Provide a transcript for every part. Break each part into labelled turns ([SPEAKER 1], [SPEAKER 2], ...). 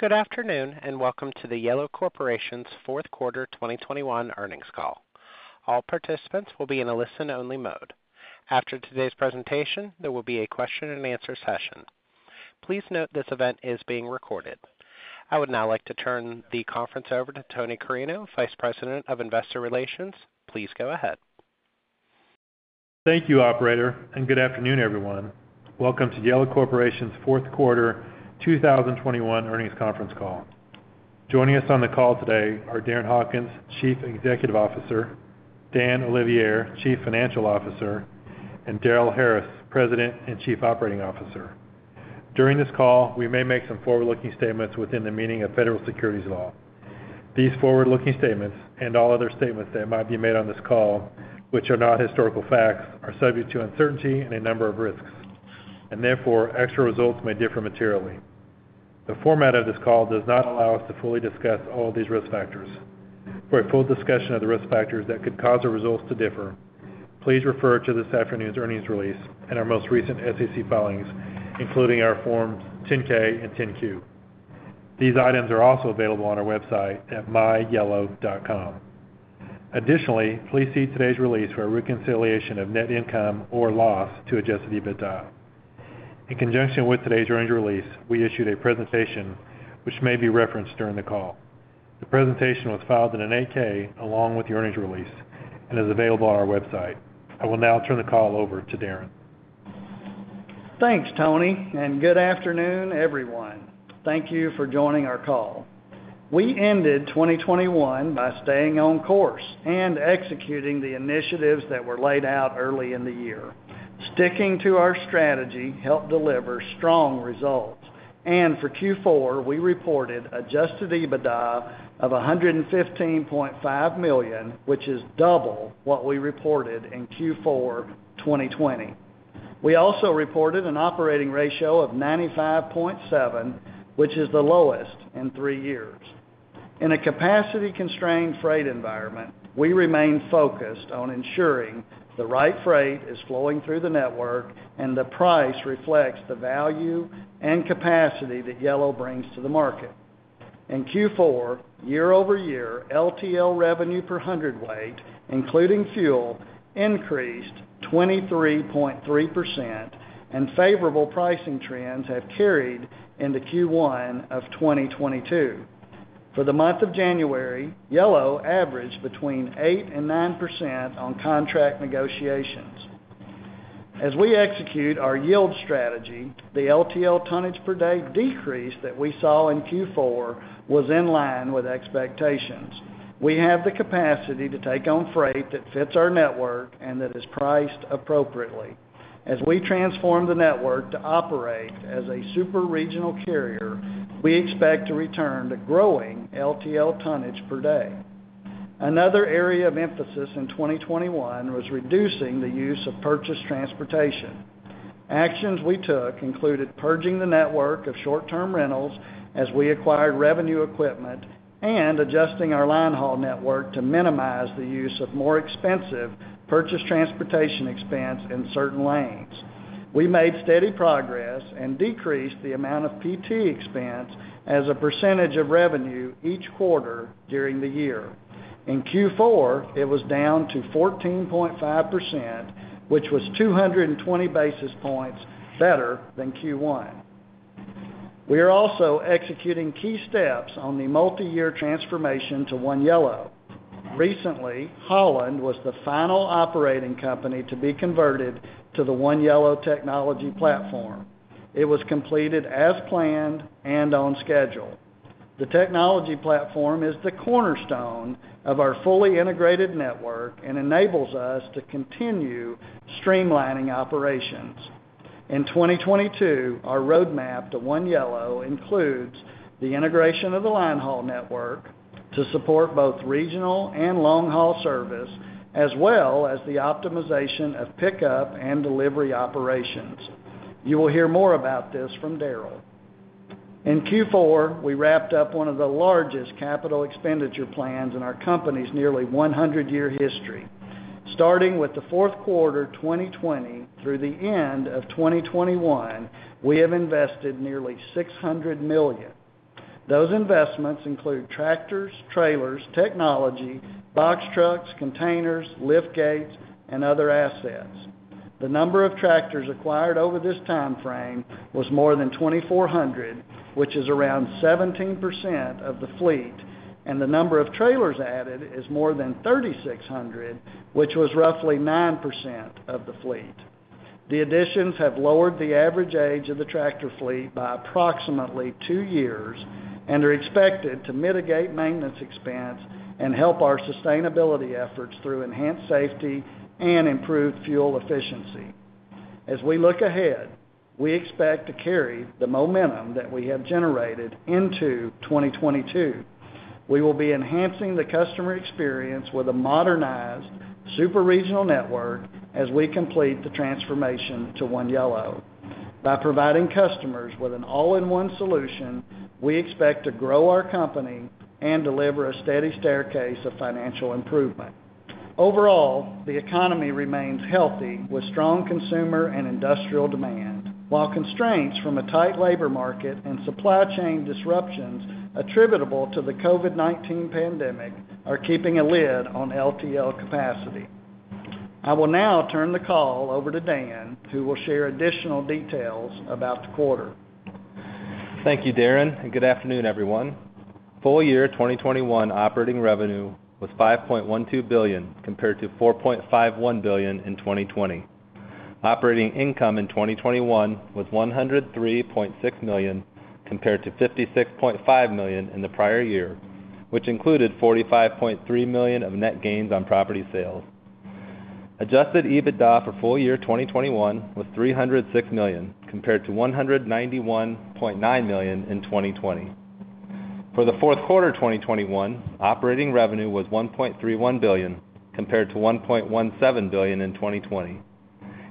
[SPEAKER 1] Good afternoon, and welcome to the Yellow Corporation's fourth quarter 2021 earnings call. All participants will be in a listen-only mode. After today's presentation, there will be a question-and-answer session. Please note this event is being recorded. I would now like to turn the conference over to Tony Carreño, Vice President of Investor Relations. Please go ahead.
[SPEAKER 2] Thank you, operator, and good afternoon, everyone. Welcome to Yellow Corporation's fourth quarter 2021 earnings conference call. Joining us on the call today are Darren Hawkins, Chief Executive Officer, Dan Olivier, Chief Financial Officer, and Darrel Harris, President and Chief Operating Officer. During this call, we may make some forward-looking statements within the meaning of federal securities law. These forward-looking statements, and all other statements that might be made on this call which are not historical facts, are subject to uncertainty and a number of risks, and therefore actual results may differ materially. The format of this call does not allow us to fully discuss all of these risk factors. For a full discussion of the risk factors that could cause our results to differ, please refer to this afternoon's earnings release and our most recent SEC filings, including our Form 10-K and Form 10-Q. These items are also available on our website at myyellow.com. Additionally, please see today's release for a reconciliation of net income or loss to Adjusted EBITDA. In conjunction with today's earnings release, we issued a presentation which may be referenced during the call. The presentation was filed in an 8-K along with the earnings release and is available on our website. I will now turn the call over to Darren.
[SPEAKER 3] Thanks, Tony, and good afternoon, everyone. Thank you for joining our call. We ended 2021 by staying on course and executing the initiatives that were laid out early in the year. Sticking to our strategy helped deliver strong results. For Q4, we reported Adjusted EBITDA of $115.5 million, which is double what we reported in Q4 2020. We also reported an operating ratio of 95.7, which is the lowest in three years. In a capacity-constrained freight environment, we remain focused on ensuring the right freight is flowing through the network and the price reflects the value and capacity that Yellow brings to the market. In Q4, year over year, LTL revenue per hundredweight, including fuel, increased 23.3%, and favorable pricing trends have carried into Q1 of 2022. For the month of January, Yellow averaged between 8% and 9% on contract negotiations. As we execute our yield strategy, the LTL tonnage per day decrease that we saw in Q4 was in line with expectations. We have the capacity to take on freight that fits our network and that is priced appropriately. As we transform the network to operate as a super regional carrier, we expect to return to growing LTL tonnage per day. Another area of emphasis in 2021 was reducing the use of purchased transportation. Actions we took included purging the network of short-term rentals as we acquired revenue equipment and adjusting our line haul network to minimize the use of more expensive purchased transportation expense in certain lanes. We made steady progress and decreased the amount of PT expense as a percentage of revenue each quarter during the year. In Q4, it was down to 14.5%, which was 220 basis points better than Q1. We are also executing key steps on the multiyear transformation to One Yellow. Recently, Holland was the final operating company to be converted to the One Yellow technology platform. It was completed as planned and on schedule. The technology platform is the cornerstone of our fully integrated network and enables us to continue streamlining operations. In 2022, our roadmap to One Yellow includes the integration of the line haul network to support both regional and long-haul service, as well as the optimization of pickup and delivery operations. You will hear more about this from Darrell. In Q4, we wrapped up one of the largest capital expenditure plans in our company's nearly 100-year history. Starting with the fourth quarter 2020 through the end of 2021, we have invested nearly $600 million. Those investments include tractors, trailers, technology, box trucks, containers, lift gates, and other assets. The number of tractors acquired over this time frame was more than 2,400, which is around 17% of the fleet, and the number of trailers added is more than 3,600, which was roughly 9% of the fleet. The additions have lowered the average age of the tractor fleet by approximately two years and are expected to mitigate maintenance expense and help our sustainability efforts through enhanced safety and improved fuel efficiency. As we look ahead, we expect to carry the momentum that we have generated into 2022. We will be enhancing the customer experience with a modernized super regional network as we complete the transformation to One Yellow. By providing customers with an all-in-one solution, we expect to grow our company and deliver a steady staircase of financial improvement. Overall, the economy remains healthy with strong consumer and industrial demand, while constraints from a tight labor market and supply chain disruptions attributable to the COVID-19 pandemic are keeping a lid on LTL capacity. I will now turn the call over to Dan, who will share additional details about the quarter.
[SPEAKER 4] Thank you, Darren, and good afternoon, everyone. Full year 2021 operating revenue was $5.12 billion compared to $4.51 billion in 2020. Operating income in 2021 was $103.6 million compared to $56.5 million in the prior year, which included $45.3 million of net gains on property sales. Adjusted EBITDA for full year 2021 was $306 million compared to $191.9 million in 2020. For the fourth quarter 2021, operating revenue was $1.31 billion compared to $1.17 billion in 2020,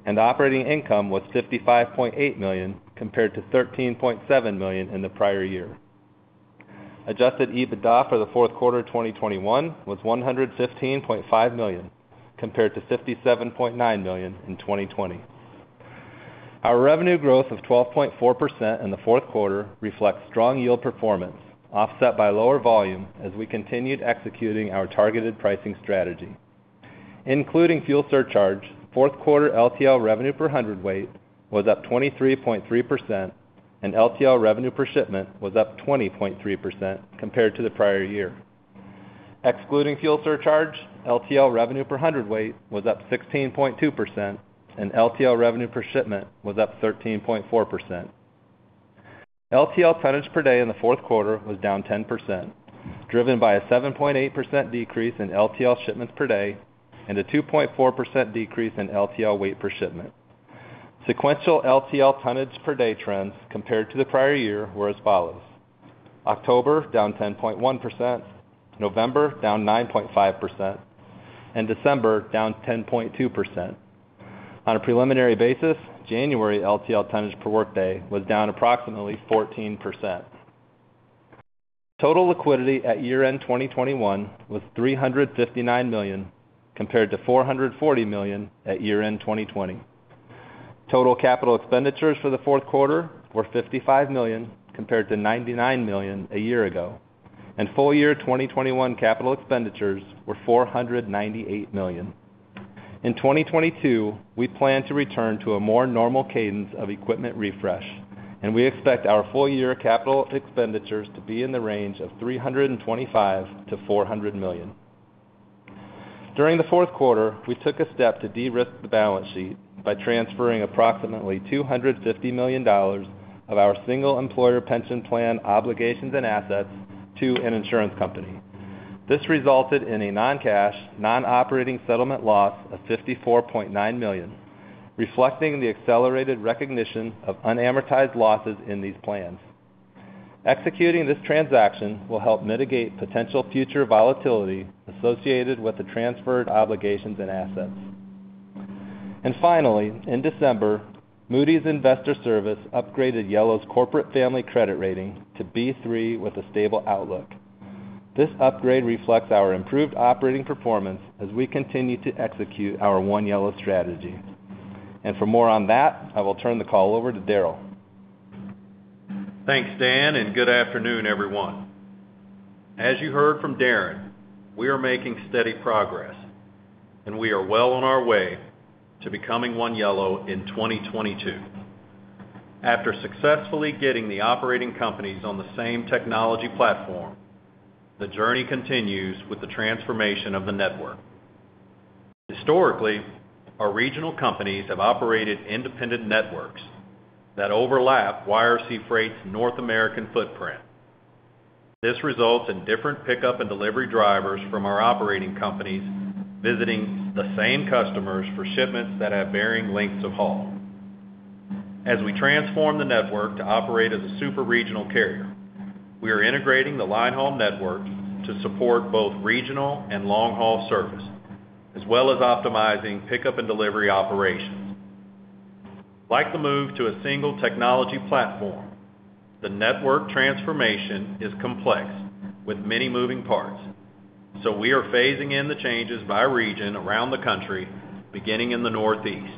[SPEAKER 4] and operating income was $55.8 million compared to $13.7 million in the prior year. Adjusted EBITDA for the fourth quarter of 2021 was $115.5 million compared to $57.9 million in 2020. Our revenue growth of 12.4% in the fourth quarter reflects strong yield performance offset by lower volume as we continued executing our targeted pricing strategy. Including fuel surcharge, fourth quarter LTL revenue per hundredweight was up 23.3%, and LTL revenue per shipment was up 20.3% compared to the prior year. Excluding fuel surcharge, LTL revenue per hundredweight was up 16.2%, and LTL revenue per shipment was up 13.4%. LTL tonnage per day in the fourth quarter was down 10%, driven by a 7.8% decrease in LTL shipments per day and a 2.4% decrease in LTL weight per shipment. Sequential LTL tonnage per day trends compared to the prior year were as follows: October, down 10.1%, November, down 9.5%, and December, down 10.2%. On a preliminary basis, January LTL tonnage per workday was down approximately 14%. Total liquidity at year-end 2021 was $359 million compared to $440 million at year-end 2020. Total capital expenditures for the fourth quarter were $55 million compared to $99 million a year ago. Full year 2021 capital expenditures were $498 million. In 2022, we plan to return to a more normal cadence of equipment refresh, and we expect our full year capital expenditures to be in the range of $325 million-$400 million. During the fourth quarter, we took a step to derisk the balance sheet by transferring approximately $250 million of our single-employer pension plan obligations and assets to an insurance company. This resulted in a non-cash, non-operating settlement loss of $54.9 million, reflecting the accelerated recognition of unamortized losses in these plans. Executing this transaction will help mitigate potential future volatility associated with the transferred obligations and assets. Finally, in December, Moody's Investors Service upgraded Yellow's corporate family credit rating to B3 with a stable outlook. This upgrade reflects our improved operating performance as we continue to execute our One Yellow strategy. For more on that, I will turn the call over to Darrel.
[SPEAKER 5] Thanks, Dan, and good afternoon, everyone. As you heard from Darren, we are making steady progress, and we are well on our way to becoming One Yellow in 2022. After successfully getting the operating companies on the same technology platform, the journey continues with the transformation of the network. Historically, our regional companies have operated independent networks that overlap YRC Freight's North American footprint. This results in different pickup and delivery drivers from our operating companies visiting the same customers for shipments that have varying lengths of haul. As we transform the network to operate as a super-regional carrier, we are integrating the line haul network to support both regional and long-haul service, as well as optimizing pickup and delivery operations. Like the move to a single technology platform, the network transformation is complex with many moving parts, so we are phasing in the changes by region around the country, beginning in the Northeast.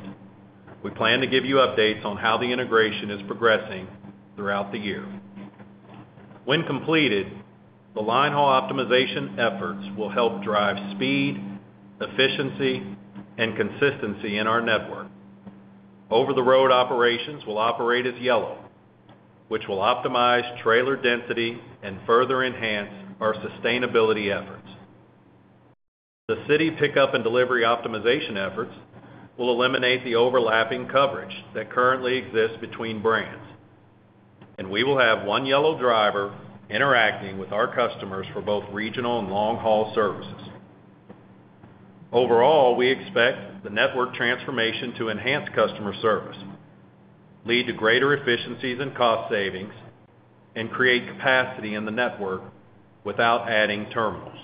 [SPEAKER 5] We plan to give you updates on how the integration is progressing throughout the year. When completed, the line haul optimization efforts will help drive speed, efficiency, and consistency in our network. Over-the-road operations will operate as Yellow, which will optimize trailer density and further enhance our sustainability efforts. The city pickup and delivery optimization efforts will eliminate the overlapping coverage that currently exists between brands, and we will have one Yellow driver interacting with our customers for both regional and long-haul services. Overall, we expect the network transformation to enhance customer service, lead to greater efficiencies and cost savings, and create capacity in the network without adding terminals.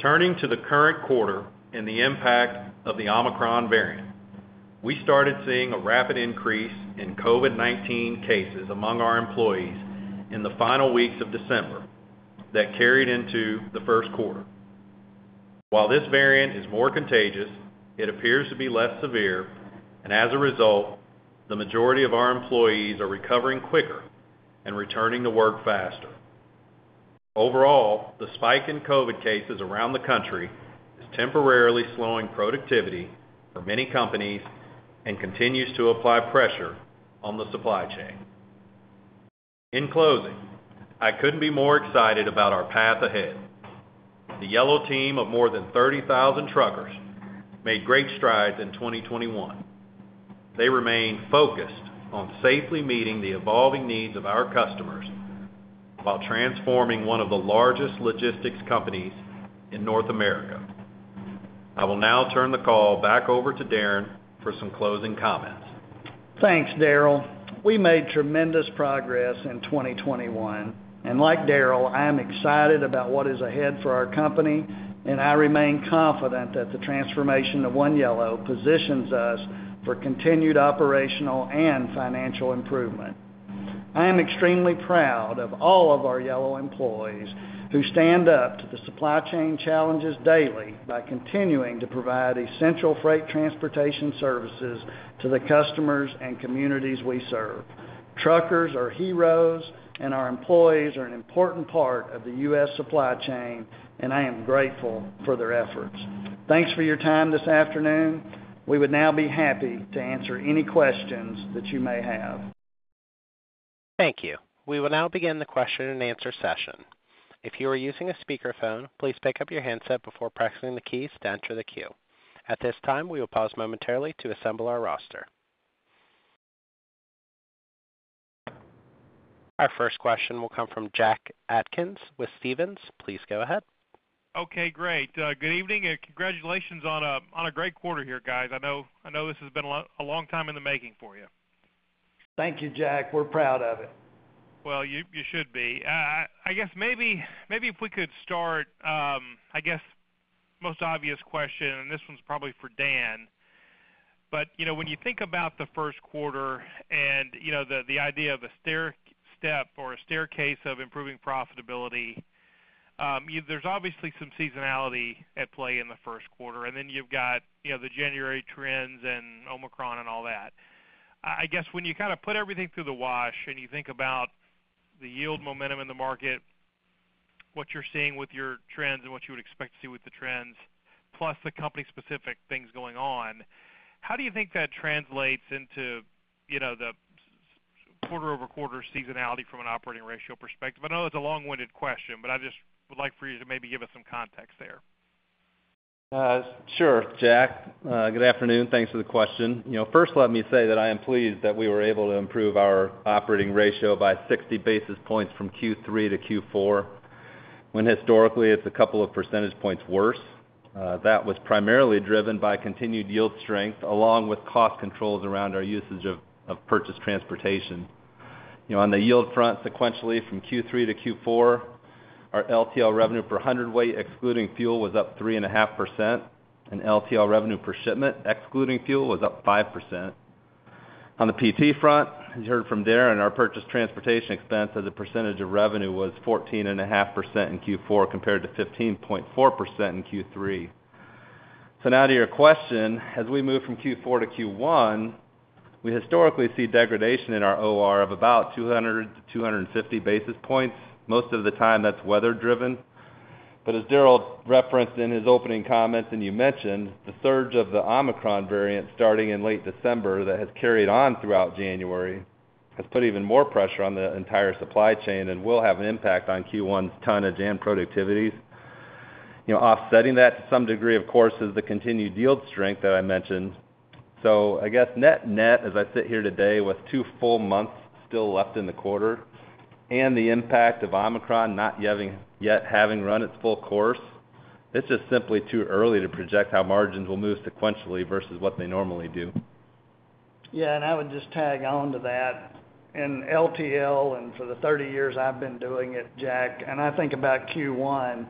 [SPEAKER 5] Turning to the current quarter and the impact of the Omicron variant. We started seeing a rapid increase in COVID-19 cases among our employees in the final weeks of December that carried into the first quarter. While this variant is more contagious, it appears to be less severe, and as a result, the majority of our employees are recovering quicker and returning to work faster. Overall, the spike in COVID cases around the country is temporarily slowing productivity for many companies and continues to apply pressure on the supply chain. In closing, I couldn't be more excited about our path ahead. The Yellow team of more than 30,000 truckers made great strides in 2021. They remain focused on safely meeting the evolving needs of our customers while transforming one of the largest logistics companies in North America. I will now turn the call back over to Darren for some closing comments.
[SPEAKER 3] Thanks, Darrell. We made tremendous progress in 2021. Like Darrell, I am excited about what is ahead for our company, and I remain confident that the transformation of One Yellow positions us for continued operational and financial improvement. I am extremely proud of all of our Yellow employees who stand up to the supply chain challenges daily by continuing to provide essential freight transportation services to the customers and communities we serve. Truckers are heroes and our employees are an important part of the U.S. supply chain, and I am grateful for their efforts. Thanks for your time this afternoon. We would now be happy to answer any questions that you may have.
[SPEAKER 1] Thank you. We will now begin the question and answer session. If you are using a speakerphone, please pick up your handset before pressing the keys to enter the queue. At this time, we will pause momentarily to assemble our roster. Our first question will come from Jack Atkins with Stephens. Please go ahead.
[SPEAKER 6] Okay, great. Good evening, and congratulations on a great quarter here, guys. I know this has been a long time in the making for you.
[SPEAKER 3] Thank you, Jack. We're proud of it.
[SPEAKER 6] Well, you should be. I guess maybe if we could start, I guess the most obvious question, and this one's probably for Dan. You know, when you think about the first quarter and, you know, the idea of a stair step or a staircase of improving profitability, there's obviously some seasonality at play in the first quarter. Then you've got, you know, the January trends and Omicron and all that. I guess when you kinda put everything through the wash and you think about the yield momentum in the market, what you're seeing with your trends, and what you would expect to see with the trends, plus the company specific things going on, how do you think that translates into, you know, the quarter-over-quarter seasonality from an operating ratio perspective? I know that's a long-winded question, but I just would like for you to maybe give us some context there.
[SPEAKER 4] Sure, Jack. Good afternoon. Thanks for the question. You know, first let me say that I am pleased that we were able to improve our operating ratio by 60 basis points from Q3 to Q4, when historically it's a couple of percentage points worse. That was primarily driven by continued yield strength along with cost controls around our usage of purchased transportation. You know, on the yield front, sequentially from Q3 to Q4, our LTL revenue per hundredweight excluding fuel was up 3.5%, and LTL revenue per shipment excluding fuel was up 5%. On the PT front, as you heard from Darren, our purchased transportation expense as a percentage of revenue was 14.5% in Q4 compared to 15.4% in Q3. Now to your question, as we move from Q4 to Q1, we historically see degradation in our OR of about 200-250 basis points. Most of the time that's weather driven. As Darrell Harris referenced in his opening comments and you mentioned, the surge of the Omicron variant starting in late December that has carried on throughout January has put even more pressure on the entire supply chain and will have an impact on Q1's tonnage and productivities. You know, offsetting that to some degree, of course, is the continued yield strength that I mentioned. I guess net-net, as I sit here today with 2 full months still left in the quarter and the impact of Omicron not yet having run its full course, it's just simply too early to project how margins will move sequentially versus what they normally do.
[SPEAKER 3] Yeah, I would just tack on to that. In LTL, and for the 30 years I've been doing it, Jack, and I think about Q1,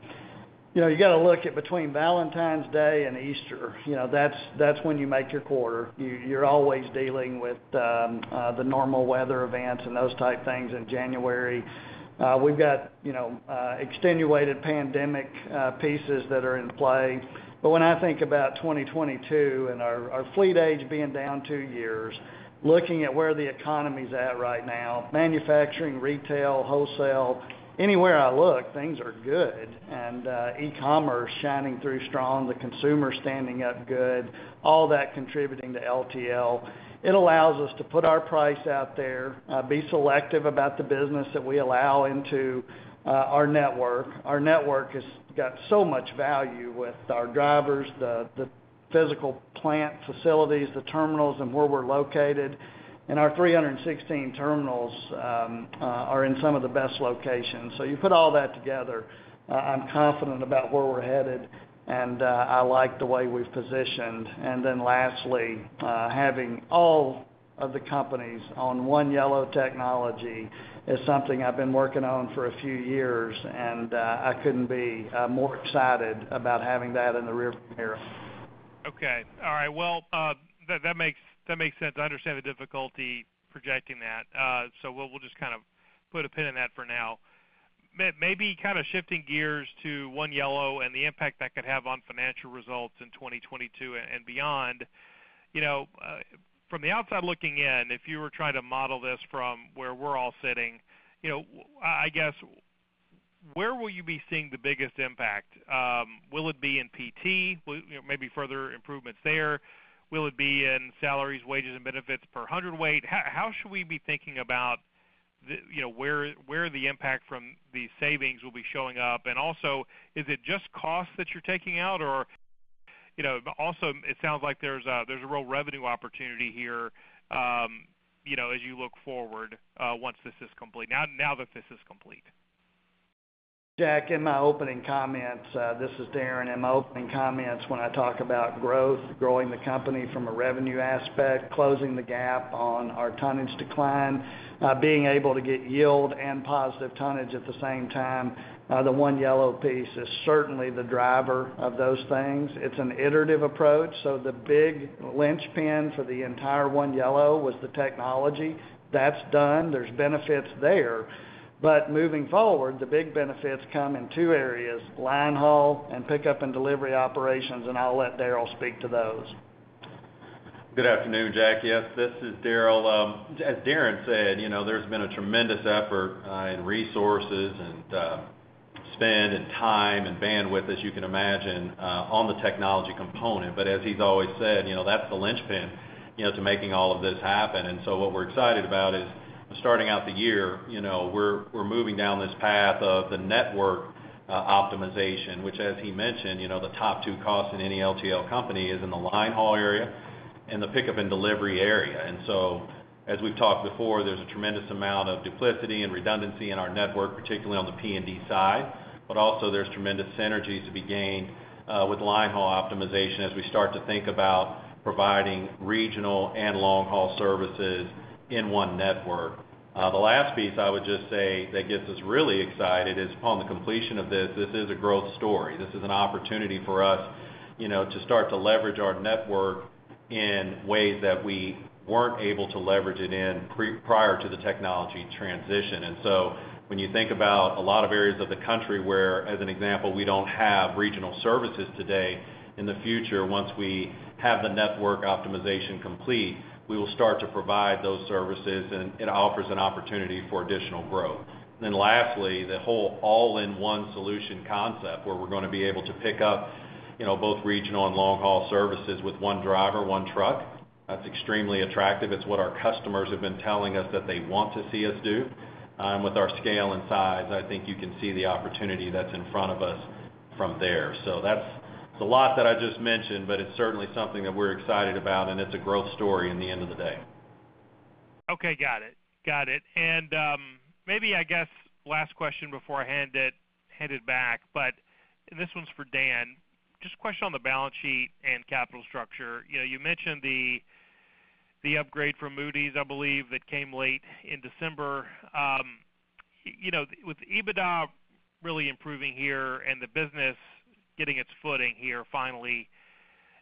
[SPEAKER 3] you know, you gotta look at between Valentine's Day and Easter. You know, that's when you make your quarter. You're always dealing with the normal weather events and those types of things in January. We've got, you know, exacerbated pandemic pieces that are in play. When I think about 2022 and our fleet age being down two years, looking at where the economy's at right now, manufacturing, retail, wholesale, anywhere I look, things are good. E-commerce shining through strong, the consumer standing up strong, all that contributing to LTL. It allows us to put our price out there, be selective about the business that we allow into our network. Our network has got so much value with our drivers, the physical plant facilities, the terminals, and where we're located. Our 316 terminals are in some of the best locations. You put all that together, I'm confident about where we're headed, and I like the way we've positioned. Lastly, having all of the companies on One Yellow technology is something I've been working on for a few years, and I couldn't be more excited about having that in the rear view mirror.
[SPEAKER 6] Okay. All right. Well, that makes sense. I understand the difficulty projecting that. We'll just kind of put a pin in that for now. Maybe kind of shifting gears to One Yellow and the impact that could have on financial results in 2022 and beyond. You know, from the outside looking in, if you were trying to model this from where we're all sitting, you know, I guess, where will you be seeing the biggest impact? Will it be in PT? Will you know, maybe further improvements there? Will it be in salaries, wages, and benefits per hundredweight? How should we be thinking about the, you know, where the impact from these savings will be showing up? Also, is it just costs that you're taking out or, you know? Also, it sounds like there's a real revenue opportunity here, you know, as you look forward, once this is complete. Now that this is complete.
[SPEAKER 3] Jack, in my opening comments, this is Darren. In my opening comments, when I talk about growth, growing the company from a revenue aspect, closing the gap on our tonnage decline, being able to get yield and positive tonnage at the same time, the One Yellow piece is certainly the driver of those things. It's an iterative approach, so the big linchpin for the entire One Yellow was the technology. That's done. There's benefits there. But moving forward, the big benefits come in two areas: line haul and pickup and delivery operations, and I'll let Darrell speak to those.
[SPEAKER 5] Good afternoon, Jack. Yes, this is Darrell. As Darren said, you know, there's been a tremendous effort in resources and spend and time and bandwidth, as you can imagine, on the technology component. But as he's always said, you know, that's the linchpin, you know, to making all of this happen. What we're excited about is starting out the year, you know, we're moving down this path of the network optimization, which, as he mentioned, you know, the top two costs in any LTL company is in the line haul area and the pickup and delivery area. As we've talked before, there's a tremendous amount of duplication and redundancy in our network, particularly on the P&D side. Also there's tremendous synergies to be gained with line haul optimization as we start to think about providing regional and long-haul services in one network. The last piece I would just say that gets us really excited is upon the completion of this is a growth story. This is an opportunity for us, you know, to start to leverage our network in ways that we weren't able to leverage it in prior to the technology transition. When you think about a lot of areas of the country where, as an example, we don't have regional services today, in the future, once we have the network optimization complete, we will start to provide those services, and it offers an opportunity for additional growth. Last, the whole all-in-one solution concept, where we're gonna be able to pick up, you know, both regional and long-haul services with one driver, one truck, that's extremely attractive. It's what our customers have been telling us that they want to see us do. With our scale and size, I think you can see the opportunity that's in front of us from there. That's a lot that I just mentioned, but it's certainly something that we're excited about, and it's a growth story at the end of the day.
[SPEAKER 6] Okay, got it. Maybe, I guess, last question before I hand it back. This one's for Dan. Just a question on the balance sheet and capital structure. You know, you mentioned the upgrade from Moody's. I believe that came late in December. You know, with EBITDA really improving here and the business getting its footing here finally,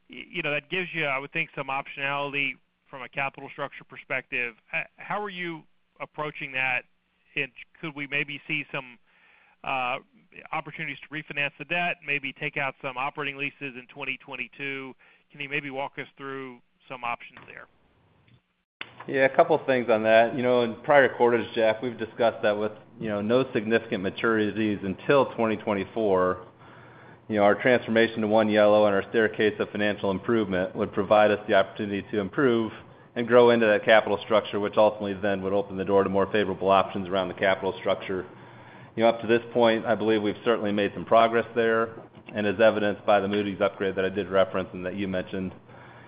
[SPEAKER 6] you know, that gives you, I would think, some optionality from a capital structure perspective. How are you approaching that? Could we maybe see some opportunities to refinance the debt, maybe take out some operating leases in 2022? Can you maybe walk us through some options there?
[SPEAKER 4] Yeah, a couple things on that. You know, in prior quarters, Jack, we've discussed that with, you know, no significant maturities until 2024, you know, our transformation to One Yellow and our staircase of financial improvement would provide us the opportunity to improve and grow into that capital structure, which ultimately then would open the door to more favorable options around the capital structure. You know, up to this point, I believe we've certainly made some progress there and as evidenced by the Moody's upgrade that I did reference and that you mentioned.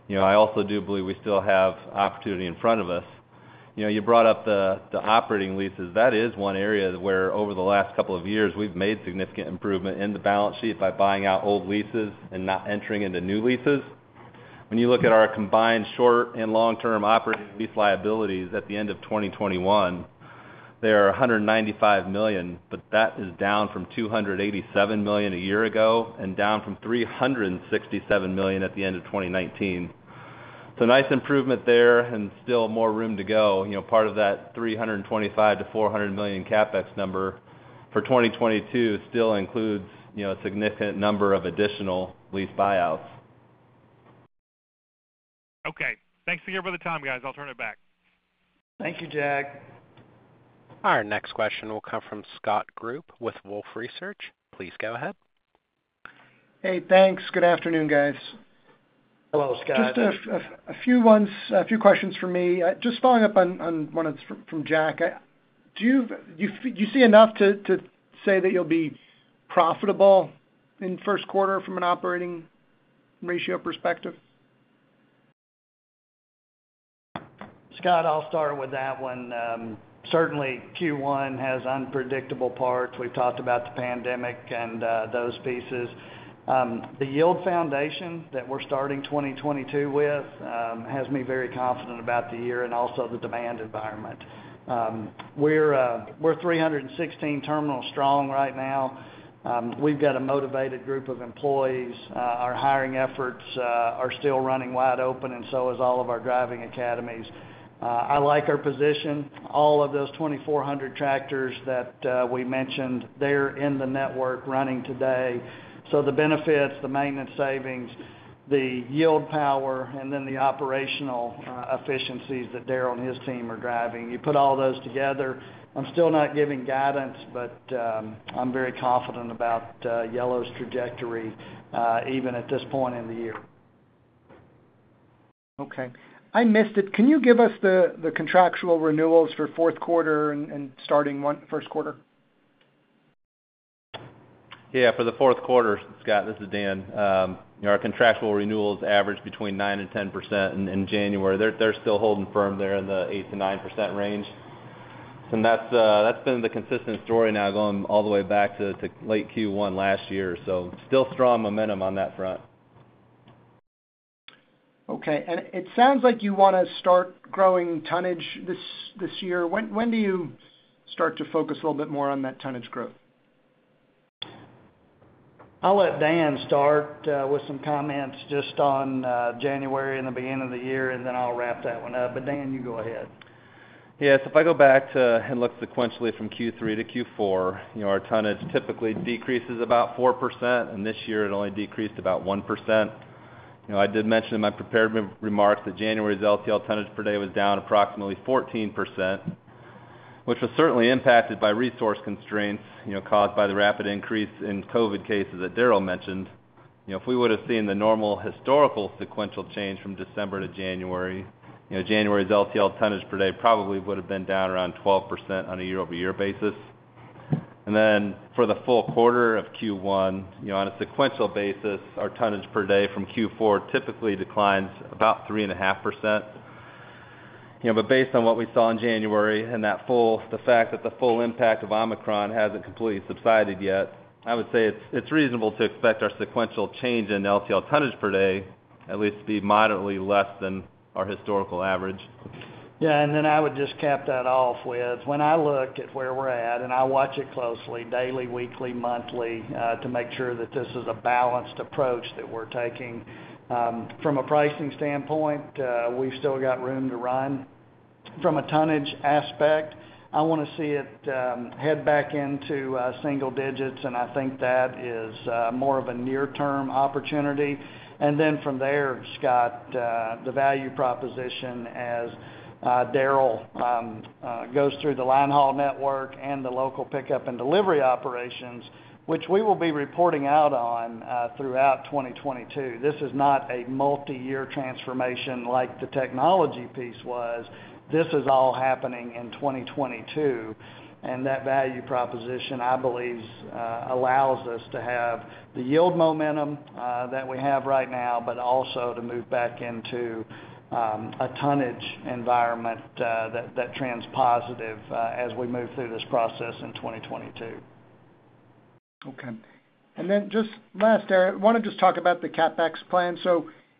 [SPEAKER 4] You know, I also do believe we still have opportunity in front of us. You know, you brought up the operating leases. That is one area where over the last couple of years, we've made significant improvement in the balance sheet by buying out old leases and not entering into new leases. When you look at our combined short and long-term operating lease liabilities at the end of 2021, they are $195 million, but that is down from $287 million a year ago and down from $367 million at the end of 2019. Nice improvement there and still more room to go. You know, part of that $325 million-$400 million CapEx number for 2022 still includes, you know, a significant number of additional lease buyouts.
[SPEAKER 6] Okay. Thanks again for the time, guys. I'll turn it back.
[SPEAKER 3] Thank you, Jack.
[SPEAKER 1] Our next question will come from Scott Group with Wolfe Research. Please go ahead.
[SPEAKER 7] Hey, thanks. Good afternoon, guys.
[SPEAKER 3] Hello, Scott.
[SPEAKER 7] Just a few questions from me. Just following up on one from Jack. Do you see enough to say that you'll be profitable in first quarter from an operating ratio perspective?
[SPEAKER 3] Scott, I'll start with that one. Certainly Q1 has unpredictable parts. We've talked about the pandemic and those pieces. The yield foundation that we're starting 2022 with has me very confident about the year and also the demand environment. We're 316 terminals strong right now. We've got a motivated group of employees. Our hiring efforts are still running wide open, and so is all of our driving academies. I like our position. All of those 2,400 tractors that we mentioned, they're in the network running today. The benefits, the maintenance savings, the yield power, and then the operational efficiencies that Darrell and his team are driving, you put all those together, I'm still not giving guidance, but, I'm very confident about Yellow's trajectory, even at this point in the year.
[SPEAKER 7] Okay. I missed it. Can you give us the contractual renewals for fourth quarter and starting first quarter?
[SPEAKER 4] Yeah. For the fourth quarter, Scott, this is Dan. You know, our contractual renewals average between 9% and 10% in January. They're still holding firm there in the 8%-9% range. That's been the consistent story now going all the way back to late Q1 last year. Still strong momentum on that front.
[SPEAKER 7] Okay. It sounds like you wanna start growing tonnage this year. When do you start to focus a little bit more on that tonnage growth?
[SPEAKER 3] I'll let Dan start with some comments just on January and the beginning of the year, and then I'll wrap that one up. Dan, you go ahead.
[SPEAKER 4] Yes. If I go back and look sequentially from Q3 to Q4, you know, our tonnage typically decreases about 4%, and this year it only decreased about 1%. You know, I did mention in my prepared remarks that January's LTL tonnage per day was down approximately 14%, which was certainly impacted by resource constraints, you know, caused by the rapid increase in COVID cases that Darrell mentioned. You know, if we would've seen the normal historical sequential change from December to January, you know, January's LTL tonnage per day probably would've been down around 12% on a year-over-year basis. Then for the full quarter of Q1, you know, on a sequential basis, our tonnage per day from Q4 typically declines about 3.5%. You know, based on what we saw in January and the fact that the full impact of Omicron hasn't completely subsided yet, I would say it's reasonable to expect our sequential change in LTL tonnage per day at least to be moderately less than our historical average.
[SPEAKER 3] Yeah. I would just cap that off with, when I look at where we're at, and I watch it closely daily, weekly, monthly, to make sure that this is a balanced approach that we're taking, from a pricing standpoint, we've still got room to run. From a tonnage aspect, I wanna see it head back into single digits, and I think that is more of a near-term opportunity. From there, Scott, the value proposition, as Darrell goes through the line haul network and the local pickup and delivery operations, which we will be reporting out on throughout 2022. This is not a multiyear transformation like the technology piece was. This is all happening in 2022, and that value proposition, I believe, allows us to have the yield momentum that we have right now, but also to move back into a tonnage environment that trends positive as we move through this process in 2022.
[SPEAKER 7] Okay. Just last, Darrell, wanna just talk about the CapEx plan.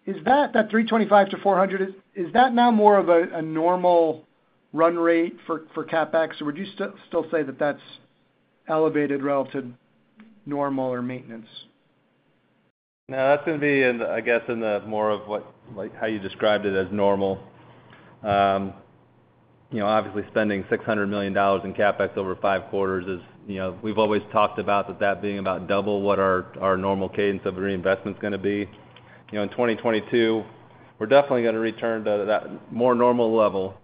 [SPEAKER 7] Is that $325 million-$400 million now more of a normal run rate for CapEx, or would you still say that that's elevated relative to normal or maintenance?
[SPEAKER 4] No, that's gonna be, I guess, more like how you described it as normal. You know, obviously spending $600 million in CapEx over 5 quarters is, you know, we've always talked about that being about double what our normal cadence of reinvestment's gonna be. You know, in 2022, we're definitely gonna return to that more normal level.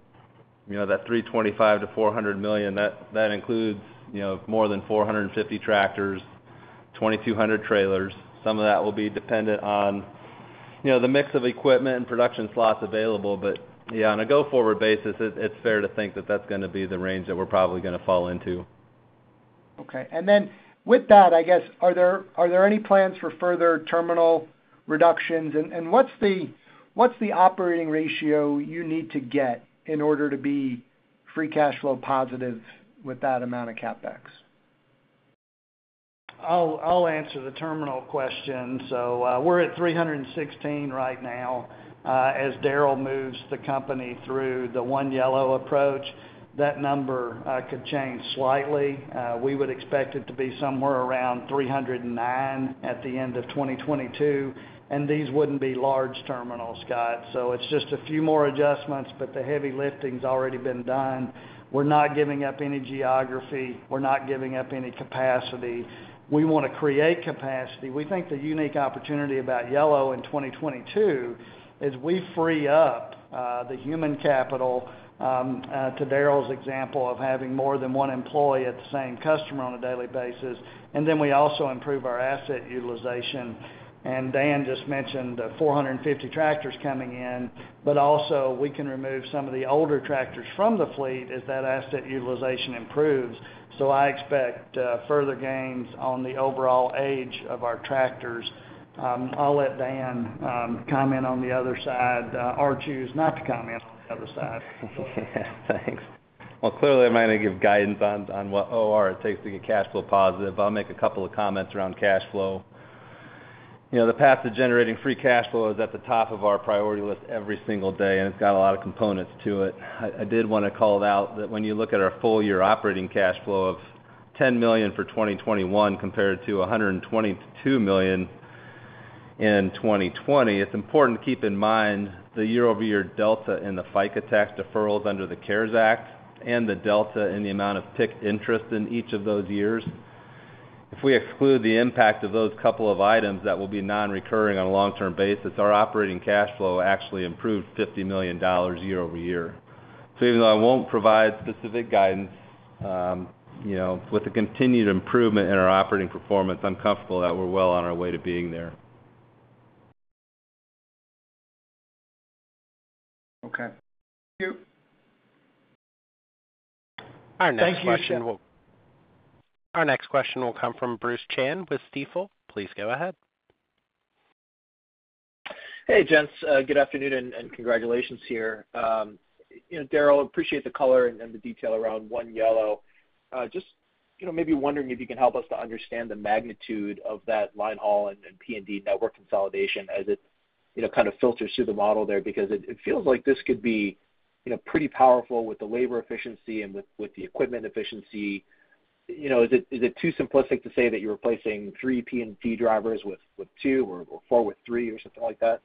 [SPEAKER 4] You know, that $325 million-$400 million, that includes, you know, more than 450 tractors, 2,200 trailers. Some of that will be dependent on, you know, the mix of equipment and production slots available. Yeah, on a go-forward basis, it's fair to think that that's gonna be the range that we're probably gonna fall into.
[SPEAKER 7] Okay. With that, I guess, are there any plans for further terminal reductions? What's the operating ratio you need to get in order to be free cash flow positive with that amount of CapEx?
[SPEAKER 3] I'll answer the terminal question. We're at 316 right now. As Darrell moves the company through the One Yellow approach, that number could change slightly. We would expect it to be somewhere around 309 at the end of 2022, and these wouldn't be large terminals, Scott. It's just a few more adjustments, but the heavy lifting's already been done. We're not giving up any geography. We're not giving up any capacity. We wanna create capacity. We think the unique opportunity about Yellow in 2022 is we free up the human capital to Darrell's example of having more than one employee at the same customer on a daily basis, and then we also improve our asset utilization. Dan just mentioned 450 tractors coming in, but also we can remove some of the older tractors from the fleet as that asset utilization improves. I expect further gains on the overall age of our tractors. I'll let Dan comment on the other side or choose not to comment on the other side.
[SPEAKER 4] Thanks. Well, clearly, I'm not gonna give guidance on what OR it takes to get cash flow positive. I'll make a couple of comments around cash flow. You know, the path to generating free cash flow is at the top of our priority list every single day, and it's got a lot of components to it. I did wanna call it out that when you look at our full year operating cash flow of $10 million for 2021 compared to $122 million in 2020, it's important to keep in mind the year-over-year delta in the FICA tax deferrals under the CARES Act and the delta in the amount of PIK interest in each of those years.
[SPEAKER 5] If we exclude the impact of those couple of items that will be non-recurring on a long-term basis, our operating cash flow actually improved $50 million year-over-year. Even though I won't provide specific guidance, you know, with the continued improvement in our operating performance, I'm comfortable that we're well on our way to being there.
[SPEAKER 7] Okay. Thank you.
[SPEAKER 3] Our next question will. Thank you, Scott.
[SPEAKER 1] Our next question will come from Bruce Chan with Stifel. Please go ahead.
[SPEAKER 8] Hey, gents. Good afternoon and congratulations here. You know, Darren, I appreciate the color and the detail around One Yellow. Just, you know, maybe I'm wondering if you can help us to understand the magnitude of that line haul and P&D network consolidation as it, you know, kind of filters through the model there because it feels like this could be, you know, pretty powerful with the labor efficiency and with the equipment efficiency. You know, is it too simplistic to say that you're replacing three P&D drivers with two or four with three or something like that?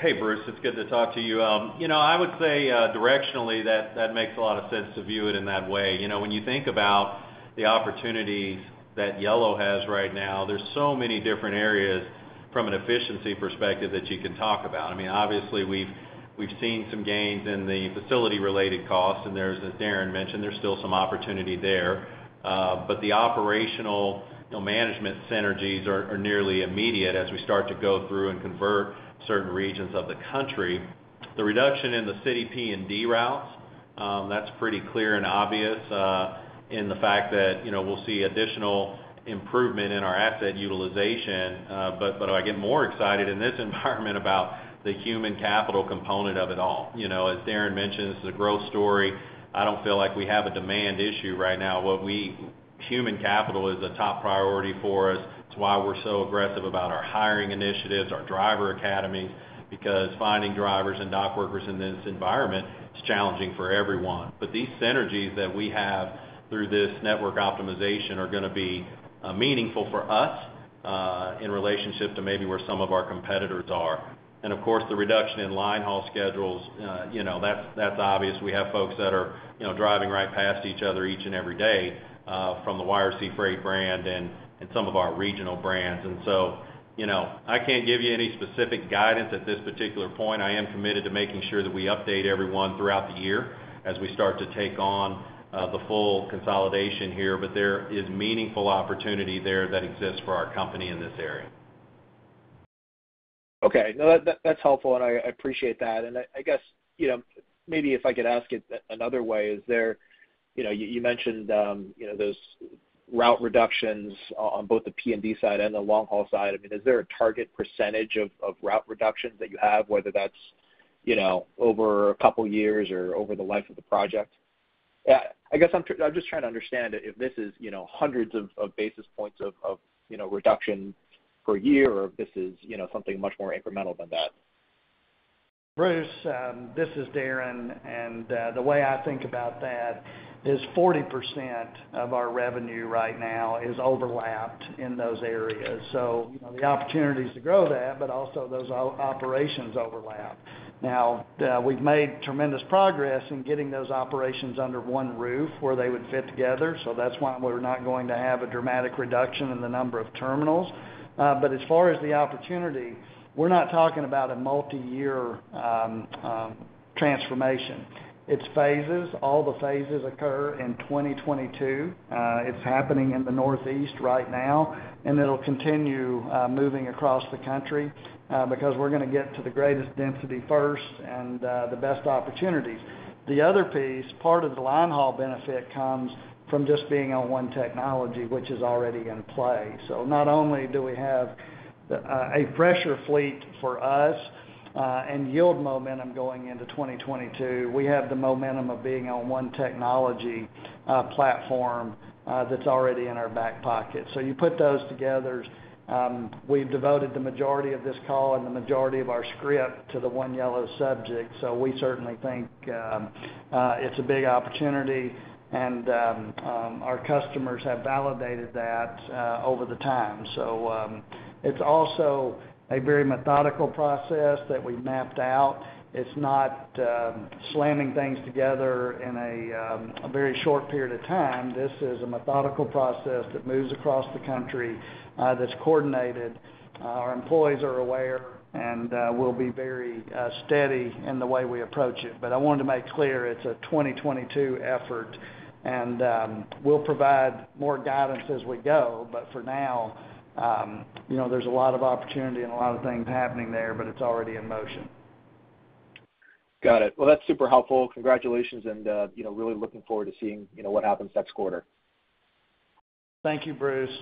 [SPEAKER 5] Hey, Bruce, it's good to talk to you. You know, I would say directionally that makes a lot of sense to view it in that way. You know, when you think about the opportunities that Yellow has right now, there's so many different areas from an efficiency perspective that you can talk about. I mean, obviously, we've seen some gains in the facility related costs, and there's, as Darren mentioned, still some opportunity there. But the operational management synergies are nearly immediate as we start to go through and convert certain regions of the country. The reduction in the city P&D routes, that's pretty clear and obvious, in the fact that, you know, we'll see additional improvement in our asset utilization, but I get more excited in this environment about the human capital component of it all. You know, as Darren mentioned, this is a growth story. I don't feel like we have a demand issue right now. Human capital is a top priority for us. It's why we're so aggressive about our hiring initiatives, our driver academies, because finding drivers and dock workers in this environment is challenging for everyone. These synergies that we have through this network optimization are gonna be meaningful for us, in relationship to maybe where some of our competitors are. Of course, the reduction in line haul schedules, you know, that's obvious. We have folks that are, you know, driving right past each other each and every day from the YRC Freight brand and some of our regional brands. You know, I can't give you any specific guidance at this particular point. I am committed to making sure that we update everyone throughout the year as we start to take on the full consolidation here. There is meaningful opportunity there that exists for our company in this area.
[SPEAKER 8] Okay. No, that's helpful, and I appreciate that. I guess, you know, maybe if I could ask it another way, is there? You know, you mentioned, you know, those route reductions on both the P&D side and the long haul side. I mean, is there a target percentage of route reductions that you have, whether that's, you know, over a couple years or over the life of the project? I guess I'm just trying to understand if this is, you know, hundreds of basis points of, you know, reduction per year or if this is, you know, something much more incremental than that.
[SPEAKER 3] Bruce, this is Darren, and the way I think about that is 40% of our revenue right now is overlapped in those areas. You know, the opportunities to grow that, but also those operations overlap. Now, we've made tremendous progress in getting those operations under one roof where they would fit together, so that's why we're not going to have a dramatic reduction in the number of terminals. As far as the opportunity, we're not talking about a multi-year transformation. It's phases. All the phases occur in 2022. It's happening in the Northeast right now, and it'll continue moving across the country because we're gonna get to the greatest density first and the best opportunities. The other piece, part of the line haul benefit comes from just being on one technology, which is already in play. Not only do we have a fresher fleet for us and yield momentum going into 2022, we have the momentum of being on one technology platform that's already in our back pocket. You put those together. We've devoted the majority of this call and the majority of our script to the One Yellow subject, so we certainly think it's a big opportunity and our customers have validated that over the time. It's also a very methodical process that we mapped out. It's not slamming things together in a very short period of time. This is a methodical process that moves across the country that's coordinated. Our employees are aware, and we'll be very steady in the way we approach it. I wanted to make clear it's a 2022 effort, and we'll provide more guidance as we go. For now, you know, there's a lot of opportunity and a lot of things happening there, but it's already in motion.
[SPEAKER 8] Got it. Well, that's super helpful. Congratulations, and, you know, really looking forward to seeing, you know, what happens next quarter.
[SPEAKER 5] Thank you, Bruce.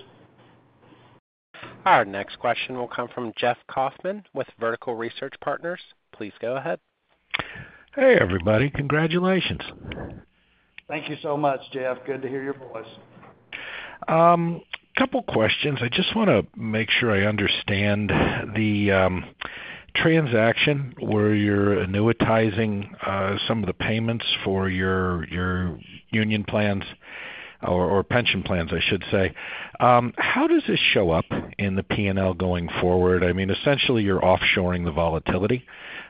[SPEAKER 1] Our next question will come from Jeff Kauffman with Vertical Research Partners. Please go ahead.
[SPEAKER 9] Hey, everybody. Congratulations.
[SPEAKER 3] Thank you so much, Jeff. Good to hear your voice.
[SPEAKER 9] A couple questions. I just wanna make sure I understand the transaction where you're annuitizing some of the payments for your union plans or pension plans I should say. How does this show up in the P&L going forward? I mean, essentially, you're offshoring the volatility,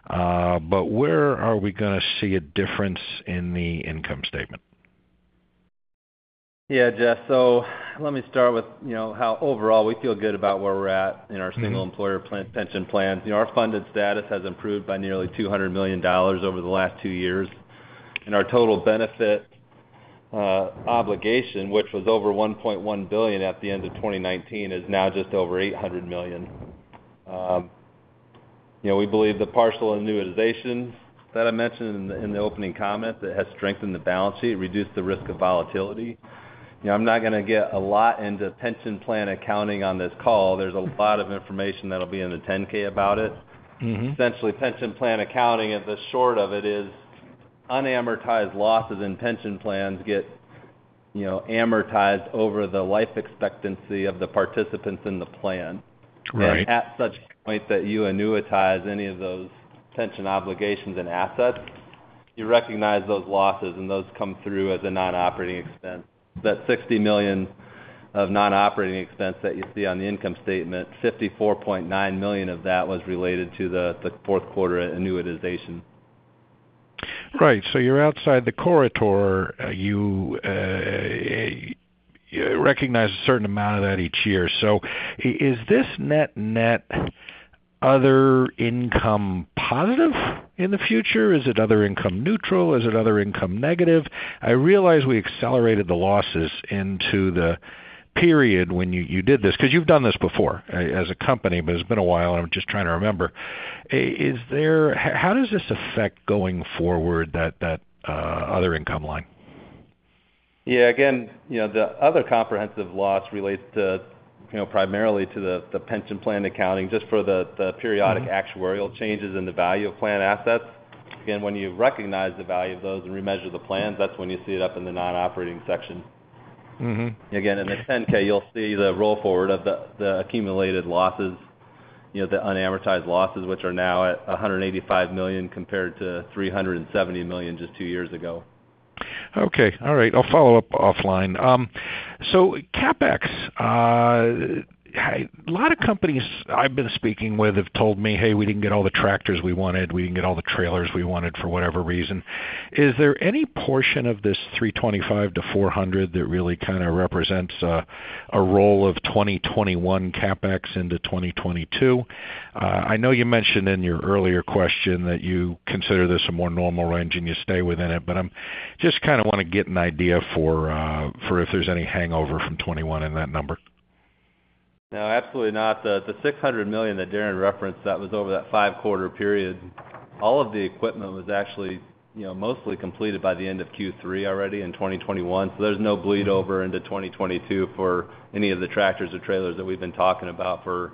[SPEAKER 9] but where are we gonna see a difference in the income statement?
[SPEAKER 4] Yeah, Jeff, let me start with, you know, how overall we feel good about where we're at in our single-employer pension plan. You know, our funded status has improved by nearly $200 million over the last two years, and our total benefit obligation, which was over $1.1 billion at the end of 2019, is now just over $800 million. You know, we believe the partial annuitization that I mentioned in the opening comment that has strengthened the balance sheet, reduced the risk of volatility. You know, I'm not gonna get a lot into pension plan accounting on this call. There's a lot of information that'll be in the 10-K about it. Essentially, pension plan accounting in short is unamortized losses in pension plans get, you know, amortized over the life expectancy of the participants in the plan.
[SPEAKER 9] Right.
[SPEAKER 4] At such point that you annuitize any of those pension obligations and assets, you recognize those losses, and those come through as a non-operating expense. That $60 million of non-operating expense that you see on the income statement, $54.9 million of that was related to the fourth quarter annuitization.
[SPEAKER 9] Right. You're outside the corridor. You recognize a certain amount of that each year. Is this net-net other income positive in the future? Is it other income neutral? Is it other income negative? I realize we accelerated the losses into the period when you did this, 'cause you've done this before as a company, but it's been a while, and I'm just trying to remember. How does this affect going forward that other income line?
[SPEAKER 4] Yeah, again, you know, the other comprehensive loss relates to, you know, primarily to the pension plan accounting just for the periodic actuarial changes in the value of plan assets. Again, when you recognize the value of those and remeasure the plans, that's when you see it up in the non-operating section. Again, in the 10-K, you'll see the roll forward of the accumulated losses, you know, the unamortized losses which are now at $185 million compared to $370 million just two years ago.
[SPEAKER 9] Okay. All right. I'll follow up offline. CapEx. A lot of companies I've been speaking with have told me, "Hey, we didn't get all the tractors we wanted, we didn't get all the trailers we wanted for whatever reason." Is there any portion of this $325 million-$400 million that really kind of represents a rollover of 2021 CapEx into 2022? I know you mentioned in your earlier question that you consider this a more normal range and you stay within it, but I'm just kind of wanna get an idea for if there's any hangover from 2021 in that number.
[SPEAKER 4] No, absolutely not. The six hundred million that Darren referenced, that was over that 5-quarter period. All of the equipment was actually, you know, mostly completed by the end of Q3 already in 2021. So there's no bleed over into 2022 for any of the tractors or trailers that we've been talking about for,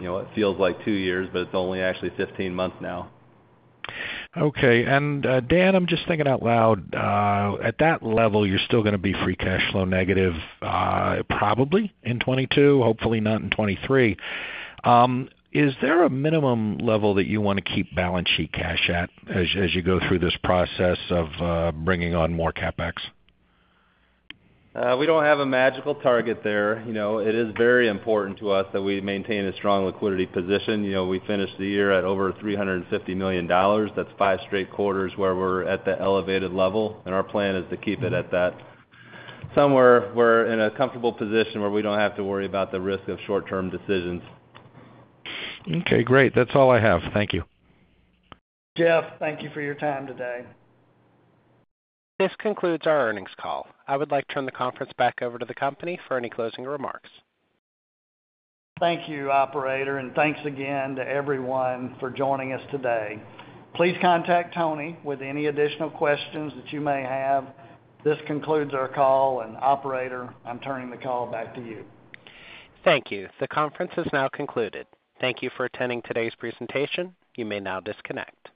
[SPEAKER 4] you know, it feels like two years, but it's only actually 15 months now.
[SPEAKER 9] Okay. Dan, I'm just thinking out loud. At that level, you're still gonna be free cash flow negative, probably in 2022, hopefully not in 2023. Is there a minimum level that you wanna keep balance sheet cash at as you go through this process of bringing on more CapEx?
[SPEAKER 4] We don't have a magical target there. You know, it is very important to us that we maintain a strong liquidity position. You know, we finish the year at over $350 million. That's 5 straight quarters where we're at the elevated level, and our plan is to keep it at that. Somewhere we're in a comfortable position where we don't have to worry about the risk of short-term decisions.
[SPEAKER 9] Okay, great. That's all I have. Thank you.
[SPEAKER 3] Jeff, thank you for your time today.
[SPEAKER 1] This concludes our earnings call. I would like to turn the conference back over to the company for any closing remarks.
[SPEAKER 3] Thank you, operator, and thanks again to everyone for joining us today. Please contact Tony with any additional questions that you may have. This concludes our call, and operator, I'm turning the call back to you.
[SPEAKER 1] Thank you. The conference is now concluded. Thank you for attending today's presentation. You may now disconnect.